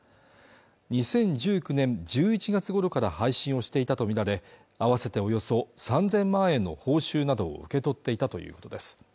２０１９年１１月ごろから配信をしていたと見られ合わせておよそ３０００万円の報酬などを受け取っていたということです